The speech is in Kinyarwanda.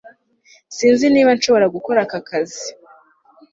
sinzi niba nshobora gukora aka kazi